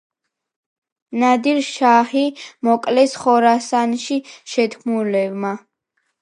ნადირ-შაჰი მოკლეს ხორასანში შეთქმულებმა.